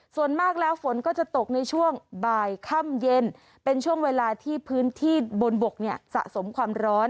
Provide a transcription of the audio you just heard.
ส่วนมากแล้วฝนก็จะตกในช่วงบ่ายค่ำเย็นเป็นช่วงเวลาที่พื้นที่บนบกเนี่ยสะสมความร้อน